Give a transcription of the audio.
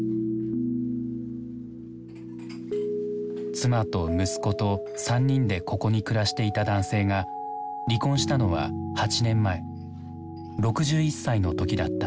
妻と息子と３人でここに暮らしていた男性が離婚したのは８年前６１歳の時だった。